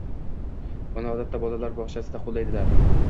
uni odatda bolalar bog‘chasida qo‘llaydilar.